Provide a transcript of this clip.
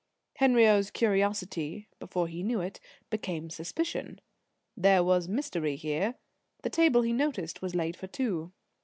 Henriot's curiosity, before he knew it, became suspicion. There was mystery here. The table, he noticed, was laid for two.